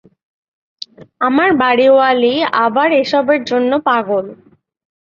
আমার বাড়ীওয়ালী আবার এসবের জন্য পাগল।